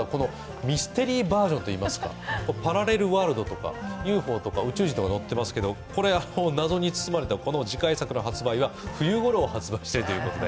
ミステリーバージョンといいますかパラレルワールドとかＵＦＯとか宇宙人とか載ってますけど謎に包まれた次回作の発売は冬ごろを予定しているということで。